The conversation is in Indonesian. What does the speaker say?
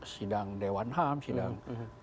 sidang dewan ham sidang